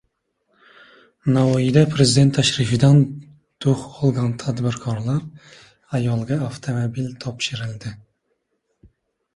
Navoiyda Prezident tashrifidan «dux» olgan tadbirkor ayolga avtomobil topshirildi